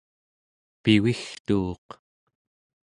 pivigtuuq